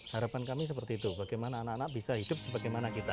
harapan kami seperti itu bagaimana anak anak bisa hidup sebagaimana kita